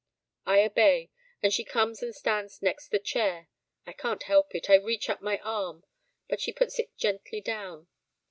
I obey, and she comes and stands next the chair. I can't help it, I reach up my arm, but she puts it gently down.